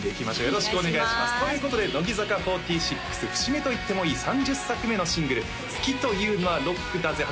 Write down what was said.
よろしくお願いしますということで乃木坂４６節目といってもいい３０作目のシングル「好きというのはロックだぜ！」